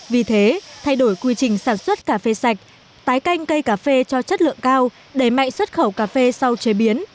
vì thế thay đổi quy trình sản xuất cà phê sạch tái canh cây cà phê cho chất lượng cao đẩy mạnh xuất khẩu cà phê sau chế biến